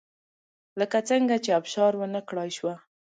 لکه څنګه چې ابشار ونه کړای شوه